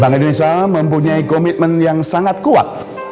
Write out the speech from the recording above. bank indonesia mempunyai komitmen yang sangat kuat